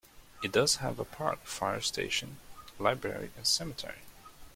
It does have a park, fire station, library and cemetery.